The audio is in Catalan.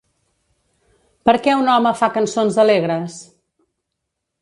Per què un home fa cançons alegres?